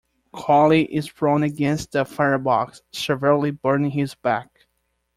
Coaly is thrown against the firebox, severely burning his back.